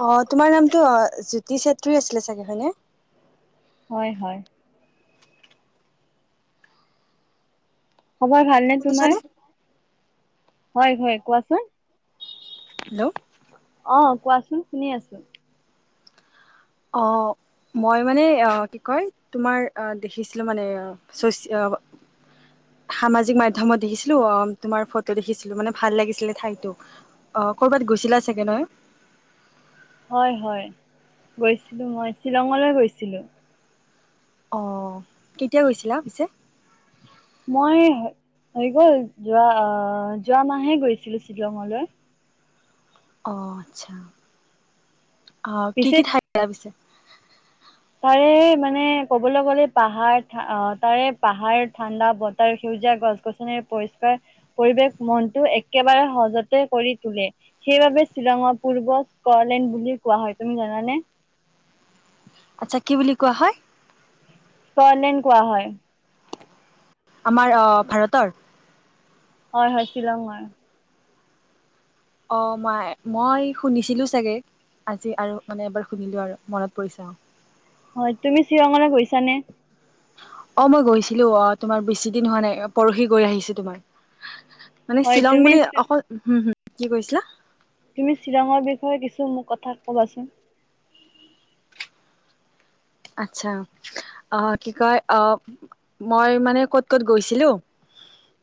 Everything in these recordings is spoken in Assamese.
অ তোমাৰ নামটো জ্যোতি চেত্ৰী আছিলে চাগে। হয়নে? হয় হয় খবৰ ভালনে তোমাৰ? শুনিছানে হয় হয় কোৱাচোন হেল্ল' অ কোৱাচোন শুনি আছো। অ মই মানে কি কয় তোমাৰ দেখিছিলো মানে চচিয়ে অ সামাজিক মাধ্যমত দেখিছিলো অ তোমাৰ ফটো দেখিছিলো মানে ভাল লাগিছিলে ঠাইতো। অ ক'বাত গৈছিলা চাগে নহয়? হয় হয় গৈছিলো মই শ্বিলঙলৈ গৈছিলো। অঁ কেতিয়া গৈছিলা পিছে? মই হৈ গ'ল যোৱা আহ যোৱা মাহে গৈছিলো শ্বিলঙলৈ। অ আচ্ছা অ কি পিছে কি [unintelligible] পিছে তাৰে মানে কবলৈ গ'লে পাহাৰ আহ তাৰে পাহাৰ ঠাণ্ডা বতৰ সেউজীয়া গছ গছনিৰ পৰিষ্কাৰ পৰিৱেশ মনটো একেবাৰে সহজতে কৰি তোলে সেইবাবে শ্বিলঙৰ পূৰ্ব স্কটলেণ্ড বুলি কোৱা হয়। তুমি জানানে? আচ্ছা কি বুলি কোৱা হয়? স্কটলেণ্ড কোৱা হয়। আমাৰ ভাৰতৰ হয় হয় শ্বিলঙ হয় অ মই মই শুনিছিলোঁ চাগে আজি আৰু মানে এবাৰ শুনিলোঁ আৰু মনত পৰিছে অ। হয় তুমি শ্বিলঙলৈ গৈছানে অ মই গৈছিলো অ তোমাৰ বেছি দিন হোৱা নাই পৰহি গৈ আহিছে তোমাৰ। মানে হয় শ্বিলং তুমি বুলি অকল হম হম কি কৈছিলা? তুমি শ্বিলঙৰ বিষয়ে কিছু মোক কথা ক'বাচোন। আচ্ছা অ' কি কয় অ মই মানে ক'ত ক'ত গৈছিলো!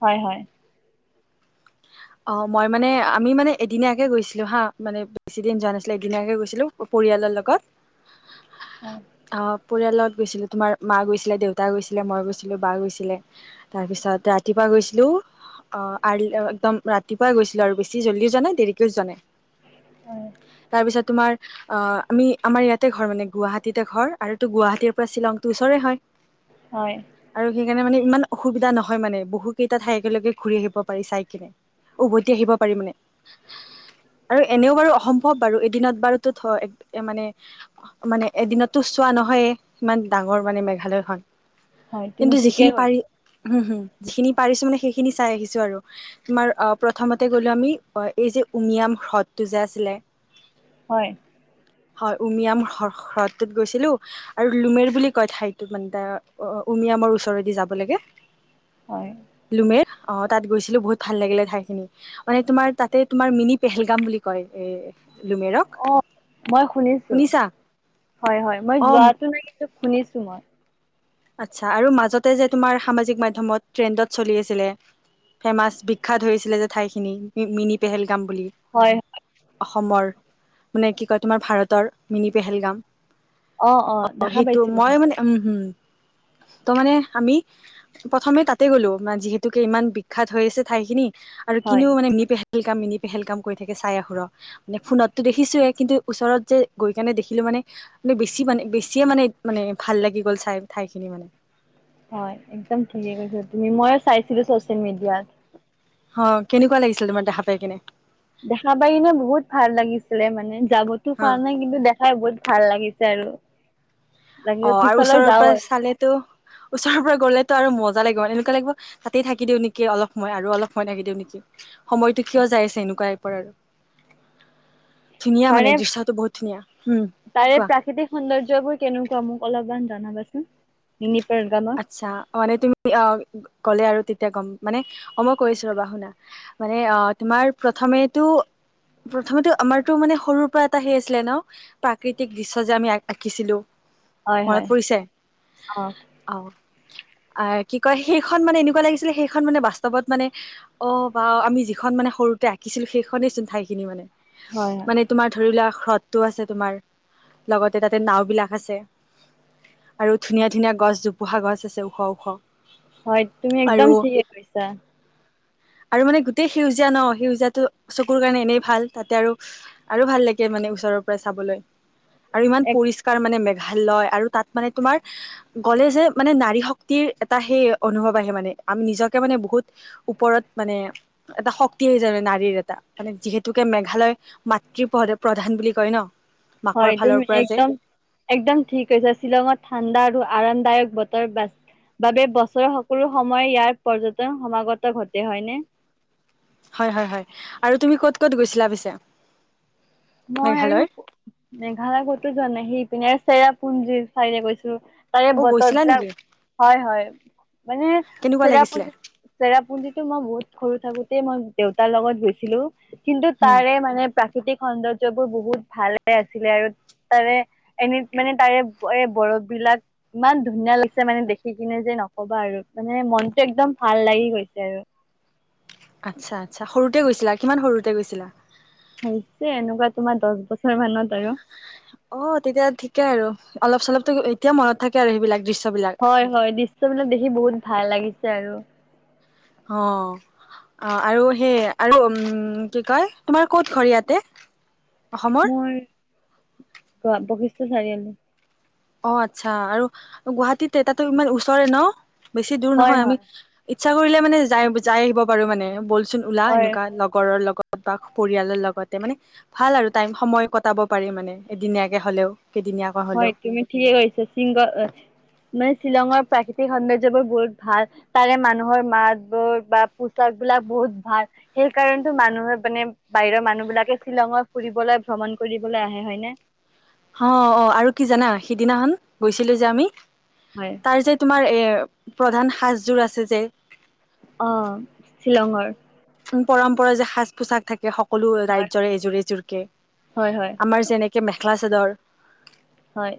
হয় হয়। অ' মই মানে আমি মানে এদিনীয়াকে গৈছিলো হা মানে বেছিদিন যোৱা নাছিলো একদিনীয়াকে গৈছিলো পৰিয়ালৰ লগত। হয় অ' পৰিয়ালত গৈছিলোঁ তোমাৰ মা গৈছিলে, দেউতা গৈছিলে, মই গৈছিলো, বা গৈছিলে। তাৰপিছত ৰাতিপুৱা গৈছিলো অ আৰলি একদম ৰাতিপুৱাই গৈছিলো আৰু বেছি জল্দীও যোৱা নাই দেৰিকেও যোৱা নাই। হয় তাৰ পিছত তোমাৰ আ আমি আমাৰ ইয়াতে ঘৰ মানে গুৱাহাটীতে ঘৰ আৰুতো গুৱাহাটীৰ পৰা শ্বিলং তটো ওচৰে হয়। হয় আৰু সেইকাৰণে মানে ইমান অসুবিধা নহয় মানে বহুকেইটা ঠাই একেলগে ঘূৰি আহিব পাৰি চাই কিনে। উভতি আহিব পাৰি মানে। আৰু এনেও বাৰু অসম্ভৱ বাৰু এদিনত বাৰুতো [unintelligible] মানে মানে এদিনতটো চোৱা নহয় ইমান ডাঙৰ মানে মেঘালয়খন। হয় তুমি কিন্তু ঠিকেই যিখিনি পাৰি, কৈছা হুম হুম। যিখিনি পাৰিছো মানে সেইখিনি চাই আহিছো আৰু। তোমাৰ প্ৰথমতে গ'লো আমি এই যে উমিয়াম হ্ৰদটো যে আছিলে হয়। হয় উমিয়াম হ হ্ৰদটোত গৈছিলো আৰু লুমেৰ বুলি কয় ঠাইটো মানে উমিয়ামৰ ওচৰদি যাব লাগে। হয় লুমেৰ। অ' তাত গৈছিলো বহুত ভাল লাগিলে ঠাইখিনি মানে তোমাৰ তাতে তোমাৰ মিনি পেহেলগাম বুলি কয়। এ লুমেৰক অ' মই শুনিছো। শুনিছা হয় হয় মই অ যোৱাতো নাই কিন্তু শুনিছো। [unintelligible] আচ্ছা আৰু মাজতে যে তোমাৰ সামাজিক মাধ্যমত ট্ৰেণ্ডত চলি আছিলে, ফেমাচ বিখ্যাত হৈছিলে যে ঠাইখিনি [unintelligible] মিনি পেহেল [unintelligible] বুলি, হয় অ' [unintelligible] মানে কি কয় তোমাৰ ভাৰতৰ মিনি পেহেলগাম। অ অ' দেখা সেইটো, পাইছিলো মই মানে উম হম। ত মানে আমি প্ৰথমে তাতে গ'লো ম যিহেতুকে ইমান বিখ্যাত হৈ আছে ঠাইখিনি। আৰু হয় কিনিও মানে নিপেহ [unintelligible] মিনি পেহেলগাম কৰি থাকে চাই আহো ৰ', মানে ফোনতটো দেখিছোয়ে কিন্তু ওচৰত যে গৈ কেনে দেখিলো মানে মে বেছি মানে বেছিয়ে মানে মানে ভাল লাগি গ'ল চাই। ঠাইখিনি মানে হয় একদম ঠিকে কৈছা তুমি ময়ো চাইছিলো চচিয়েল মিডিয়াত। অ' কেনেকুৱা লাগিছিল তোমাৰ দেখা পাই কিনে? দেখা পাই কিনে বহুত ভাল লাগিছিলে মানে। যাবতো হা পৰা নাই কিন্তু দেখায় বহুত ভাল লাগিছ [unintelligible] অ' আৰু ওচৰৰ পৰা চালেতো ওচৰৰ পৰা গ'লেতো আৰু মজ [unintelligible] লাগিব এনেকুৱা লাগিব তাতেই থাকি দিও নেকি অলপ সময় আৰু অলপ সময় থাকি দিওঁ নেকি। সময়টো কিয় হয় যাই আছে এনেকুৱাই [unintelligible] আৰু ধুনীয়া মানে তাৰে, দৃশ্যটো বহুত ধুনীয়া উম তাৰে কোৱা প্ৰাকৃতিক সৌন্দৰ্যবোৰ কেনেকুৱা মোক অলপমান জনাবাচোন [unintelligible] আচ্ছা মানে তুমি অ গ'লে আৰু তেত এতিয়া গ'ম মানে অ মই কৈছো ৰবা শুনা মানে অ তোমাৰ প্ৰথমেটো প্ৰথমে আমাৰতো মানে সৰুৰ পৰা এটা সেই আছিলে ন প্ৰাকৃতিক দৃশ্য যে আমি আঁকিছিলো হয় মনত হয় পৰিছে অ'। অ আৰ কি কয় সেইখন মানে এনেকুৱা লাগিছিলে সেইখন মানে বাস্তৱত মানে অ বা আমি যিখন মানে সৰুতে আঁকিছিলো সেইখনেইচোন ঠাইখিনি মানে। হয় হয় মানে তোমাৰ ধৰিলা হ্ৰদ টো আছে তোমাৰ, লগতে তাতে নাও বিলাক আছে আৰু ধুনীয়া ধুনীয়া গছ জোপোহা গছ আছে ওখ ওখ। হয় তুমি একদম আৰু ঠিকে কৈছা। আৰু মানে গোটেই সেউজীয়া ন সেউজীয়াটো চকুৰ কাৰণে এনেই ভাল তাতে আৰু আৰু ভাল লাগে মানে ওচৰৰ পৰা চাবলৈ। আৰু ইমান এক পৰিষ্কাৰ মানে মে ভাল লয় আৰু তাত মানে তোমাৰ গ'লে যে মানে নাৰী শক্তিৰ এটা সেই অনুভৱ আহে মানে আমি নিজকে মানে বহুত ওপৰত মানে এটা শক্তি আহ যায় মানে নাৰীৰ এটা মানে যিহেতুকে মেঘালয় মাতৃ প্ৰধান বুলি কয় ন। মাকৰ হয় তোম ফালৰ পৰা যে একদম একদম ঠিক কৈছা শ্বিলঙত ঠাণ্ডা আৰু আৰামদায়ক বতৰ বা বাবে বছৰৰ সকলো সময় ইয়াৰ পৰ্যটন সমাগত ঘটে হয়নে? হয় হয় হয় আৰু তুমি ক'ত ক'ত গৈছিলা পিছে? মই আৰু মেঘালয়ৰ মেঘালয় কতো যোৱা নাই সিপিনে চেৰাপুঞ্জী চাইডে গৈছিলো। তাৰে অ গৈছিলা নেকি বতৰবিলাক, হয় হয়। মানে কেনেকুৱা লাগিছিলে চেৰাপুঞ্জি চেৰাপুঞ্জি সে মই বহুত সৰু থাকোতেই মই দেউতাৰ লগত গৈছিলো। কিন্তু উম তাৰে মানে প্ৰাক [unintelligible] সৌন্দৰ্যবোৰ বহুত ভালে আছিলে আৰু তাৰে এনে মানে তাৰে এ বৰফ বিলাক ইমান ধুনীয়া লাগিছে মানে দেখি কিনে যে নকবা আৰু মানে মনটো একদম ভাল লাগি গৈছে। আচ্ছা আচ্ছা সৰুতে গৈছিলা কিমান সৰুতে গৈছিলা? সৰুতে এনেকুৱা তোমাৰ দহ বছ অ তেতিয়া ঠিকে আৰু অলপ চলপতো এতিয়া মনত থাকে আৰু সেইবিলাক দৃশ্য হয় হয় দৃশ্যবিলাক দেখি বহুত ভাল লাগিছে। লাগিছে আৰু অ আৰু সেই আৰু উম কি কয় তোমাৰ ক'ত ঘৰ ইয়াতে? অসমৰ মোৰ বিশ্বনাথ চাৰিআলি। অ আচ্ছা আৰু গুৱাহাটীতে তাতো ইমান ওচৰে ন? বেছি দূৰ হয় নহয় আমি হয় ইত ইচ্ছা কৰিলে মানে যাই আহিব পাৰো মানে বলচোন চোন ওলা হয় এনেকুৱা লগৰ লগত তাক পৰিয়ালৰ লগতে মানে ভাল আৰু টাইম সময় কটাব পাৰি মানে এদিনীয়াকে হ'লেও কেইদিনীয়াকৈ হয় হলেও তুমি ঠিকে কৈছা শিংগ মানে শ্বিলংৰ প্ৰাকৃতিক সৌন্দৰ্য্যবোৰ বহুত ভাল তাৰে মানুহৰ মাতবোৰ বা পোচাক বিলাক বহুত ভাল সেই কাৰণে মানুহে মানে বাহিৰৰ মানুহবিলাকে শ্বিলংত ফুৰিবলৈ ভ্ৰমণ কৰিবলৈ আহে হয়নে অ অ আৰু কি জানা সিদিনাখন গৈছিলো যে আমি হয় তাৰ যে তোমাৰ এ প্ৰধান সাজযোৰ আছে যে অ শ্বিলংৰ পৰম্পৰা যে সাজ পোছাক থাকে সকলো হয় ৰাজ্যৰে এযোৰ এযোৰকে হয় হয় আমাৰ যেনেকে মেখেলা মেখেলা চাদৰ হয়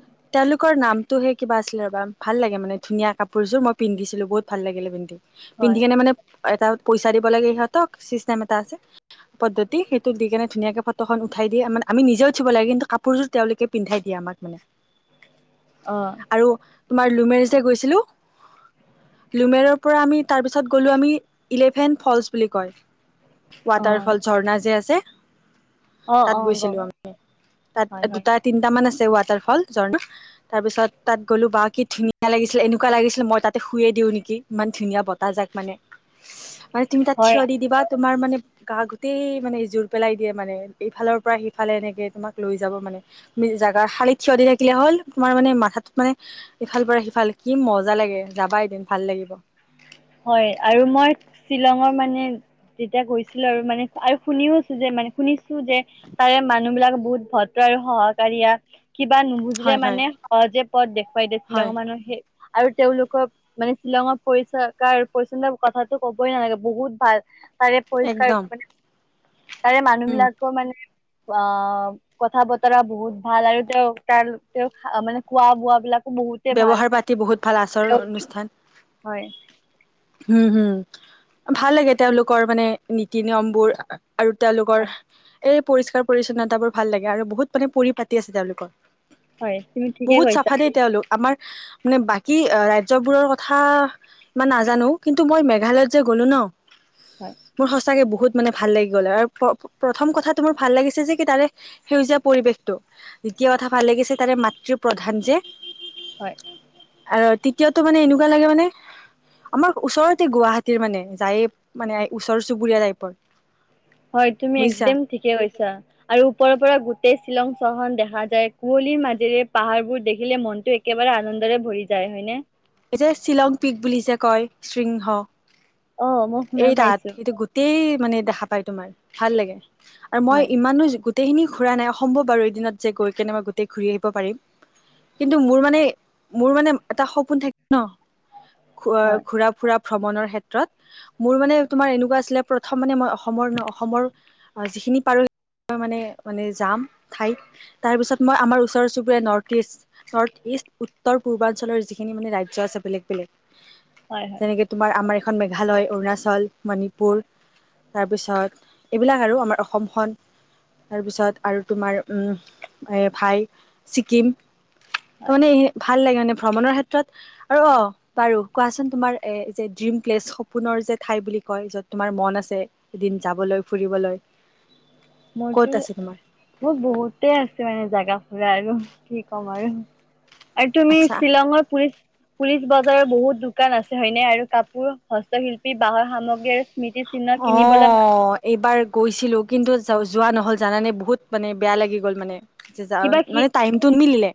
তোমাৰ নামটো হে কিবা আছিলে ৰবা ভাল লাগে মানে ধুনীয়া কাপোৰযোৰ মই পিন্ধিছিলো বহুত ভাল লাগিলে পিন্ধি পিন্ধি হয় কেনে মানে এটা পইচা দিব লাগে ইহত চিচটেম এটা আছে পদ্ধতি সেইটো দি কেনে ধুনীয়াকে ফটোখন উঠাই দিয়ে মে আমি নিজে উঠিব লাগে কিন্তু কাপোৰযোৰ তেওঁলোকে পিন্ধাই দিয়ে আমাক মানে অ আৰু তোমাৰ লোমেৰ যে গৈছিলোঁ লোমেৰৰ পৰা আমি তাৰপিছত গ'লোঁ আমি ইলেভেন ফলচ বুলি কয় অ ৱাটাৰফল ঝৰ্ণা যে আছে অ তাত অ গৈছিলো গম আমি তাত হয় হয় দুটা তিনটা মান আছিল ওৱাটাৰফল ঝৰ্ণা তাৰপিছত তাত গলো বা কি ধুনীয়া লাগিছিলে এনেকুৱা লাগিছিলে মই তাতে শুই এ দিওঁ নেকি ইমান ধুনীয়া বতাহ যাক মানে তুমি তাত হয় থিয় দি দিবা তোমাৰ মানে গা গোতেই মানে জোৰ পেলাই দিয়ে মানে ইফালৰ পৰা সিফালে এনেকে তোমাক লৈ যাব মানে তুমি জাগাৰ শালীত থিয় দি থাকিলে হল তোমাৰ মানে মাথাটো মানে ইফাল পৰা সিফাল কি মজা লাগে যাবা এদিন ভাল লাগিব হয় আৰু মই শ্বিলংৰ মানে যেতিয়া গৈছিলো আৰু মানে আৰু শুনিওছো যে মানে শুনিছো যে তাৰে মানুহ বিলাক ভদ্ৰ আৰু সহকাৰিয়া কিবা নুবুজিলে হয় হয় মানে সহজে কত দেখে পাই দিছিলে হয় মানুহ সেই আৰু তেওঁলোকক মানে শ্বিলংত পৰিচয় পৰিস্কাৰ পৰিচ্ছনতাৰ কথাটো ক'বই নালাগে বহুত ভাল তাৰে পৰিষ্কাৰ একদম মানে তাৰে মানুহ বিলাকো মানে অ কথা বতৰা বহুত ভাল আৰু তেওঁ তাৰ তেওঁক মানে খোৱা বোৱাাবলাক ব্যৱহাৰ পাতি বহুত ভাল আচৰ অনুষ্ঠান হয় উম হম ভাল লাগে তেওঁলোকৰ মানে নীতি নিয়ম বোৰ আৰু তেওঁলোকৰ হয় এই পৰিষ্কাৰ পৰি্ছন্নতা বোৰ ভাল লাগে আৰু বহুত মানে পৰিপাতি আছে তেওঁলোকৰ হয় তুমি ঠিকে বহুত কৈছা। চাফা দেই তেওঁলোক আমাৰ মানে বাকী ৰাজ্য়বোৰৰ কথা ইমান নাজানো কিন্তু মই মেঘালয়ত যে গ'লো ন হয় মোৰ সচাকে বহুত মানে ভাল লাগি গ'ল আৰু প্ৰথম কথাটো মোৰ ভাল লাগিছে যে কি তাৰে সেউজীয়া পৰিৱেশ দ্বিতয়া কথা ভাল লাগিছে তাৰে ম টো প্ৰধান যে হয়। আৰু তেতিয়াাতটো মানে এনেকুৱা লাগে মানে আমাৰ ওচৰতে গুৱাহাটীৰ মানে যায় মানে ওচৰ চুবুৰীয়া টাইপৰ হয় তুমি বুজিছা একদম ঠিকে কৈছা আৰু ওপৰৰ পৰা। তে শ্বিলং চহন দেখা যায় কুঁৱলীৰ মাজেৰে পাহাৰবোৰ দেখিলে মনতটো একেবাৰে আনন্দৰে ভৰি যায় হয়নে এই যে শ্বিলং পিক বুলি যে কয় শৃংহ অ মই শুনা এই তাত পাইছো সটো গোটেই মানে দেখা পায় তোমাৰ ভাল লাগে। আৰু মই হয় ইমানো গোটেইখিনি ঘূৰা নাই সম্ভৱ আৰু এইদিনত যে গৈ কেনে মই গোটেই ঘূৰি আহিব পাৰিম কিন্তু মোৰ মানে মোৰ মানে এটা সপোন থাকে ন হয় ঘুৰা ফুৰা ভ্ৰমণৰ ক্ষেত্ৰত মোৰ মানে তোমাৰ এনেকুৱা আছিলে প্ৰথম মানে মই অসমৰ ন অসমৰ যিখিনি পাৰোঁ মানে মানে যাম ঠাইত তাৰপিছত মই আমাৰ ওচৰ চুবুৰীয়া নৰ্থ ইষ্ট নৰ্থ ইষ্ট উত্তৰ পূৰ্বাঞ্চলৰ যিখিনি মানে ৰাজ আ আছে বেলেগ বেলেগ হয় হয় যেনেকে তোমাৰ আমাৰ খন মেঘালয় অৰুণাচল মণিপুৰ তাৰপিছত এইবিলাক আৰু আমাৰ অসমখন তাৰপিছত আৰু তোমাৰ ভাই ছিকিম। ত হয় মানে ভাল লাগে মানে ভ্ৰমণৰ ক্ষেত্ৰত আৰু অ বাৰু কোৱাচোন তোমাৰ এই যে ড্ৰিম প্লেচ সপোনৰ যে ঠাই বুলি কয় য'ত তোমাৰ মন আছে। এদিন যাবলৈ ফুৰিবলৈ ক'ত মোৰতো আছে তোমাৰ মোৰ বহুতে আছে মানে জোগা ফুৰা আৰু কি ক আমাৰ আৰু তুমি আচ্ছা শ্বিলঙৰ পুলিচ পুলিচ বজাৰৰ বহুত দোকান আছে হয়নে আৰু কাপোৰ হস্তশিল্পী বাঁহৰ সামগ্ৰী আৰু মিতি চি্ কিনিবলে এবাৰ গৈছিলো কিন্তু যোৱা নহল জানানে বহুত মানে বেয়া লাগি গ'ল মানে। যা কিবা কি মানে টাইমটো নিমিলিলে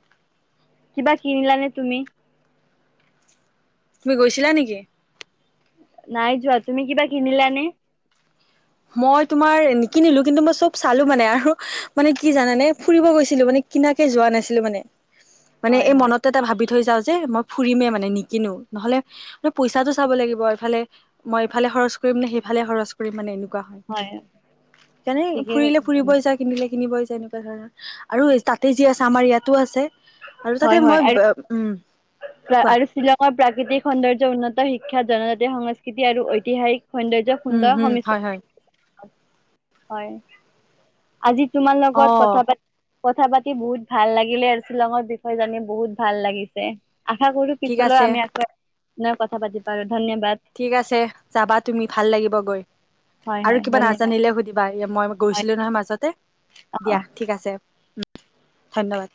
কিবা কিনিলানে তুমি তুমি গৈছিলা নেকি নাই যোৱা তুমি কিবা কিনিলানে মই তোমাৰ নিকিনিলো কিন্তু মই চব চালো মানে আৰু মানে কি জানানে ফুৰিব গৈছিলো মানে কিনাকে যোৱা নাছিলো মানে মানে হয় এই হয় মনত এটা ভাবি থৈ যাও যে মই ফুৰিমে মানে নিকিনো নহলে ম পইচাটো চাব লাগিব এইফালে মই এইফালে হৰচ কৰিম নে সেইফালে হৰচ কৰিম মানে এনে এনেকুৱা হয় যেনে ঠিকেই ফুৰিলে কৈছা ফুৰিব তুমি যায় কিনিলে কিনিবই যায় এনেকুৱা ধৰণৰ আৰু তাতে যি আছে আমাৰ ইয়াতো আছে আৰু হয় তাতে হয় মই আৰু ব উম কোৱা আৰু শ্বিলঙৰ প্ৰাকৃতিক সৌন্দৰ্য উন্নত শিক্ষ বিখ্যাত জনজাতীয় সংস্কৃতি আৰু ঐতিহাসিক সৌন্দয্যৰ উম সুন্দৰ হম হমিচ হয় হয় হয় আজি তোমাৰ অ লগত কথা পাত কথা পাতি বহুত ভাল লাগিলে আৰু শ্বিলঙৰ বিষয়ে জানি বহুত ভাল লাগিছে আশা কৰো ঠিক পিছলৈ আছে আমি আকৌ নে কথা পাতি পাতিবা ঠিক আছে যাবা তুমি ভাল লাগিব গৈ হয় আৰু হয় কিবা ধন্যবাদ নাজানিলে সুধিবা মই হয় গৈছিলো নহয় মাজতে অ অ দিয়া ঠিক আছে ধন্যবাদ